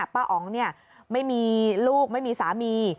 ป้าอ๋องไม่มีลูกไม่มีสามี